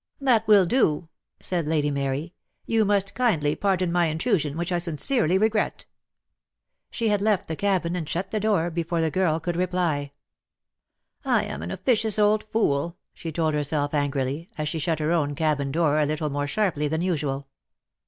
"That will do," said Lady Mary. "You must kindly pardon my intrusion, which I sincerely regret." She had left the cabin, and shut the door, before the girl could reply. '■.:' "I am an officious old fool," she told herself angrily, as she shut her own cabin door, a little more sharply than usual.